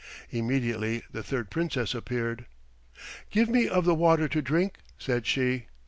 Immediately the third Princess appeared. "Give me of the water to drink," said she.